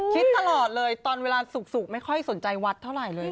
คิดตลอดเลยตอนเวลาสุกไม่ค่อยสนใจวัดเท่าไหร่เลย